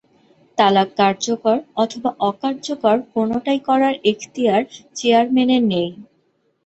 তালাক কার্যকর অথবা অকার্যকর কোনটাই করার এখতিয়ার চেয়ারম্যানের নেই।